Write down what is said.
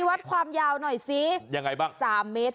วัดความยาวหน่อยซิยังไงบ้างสามเมตร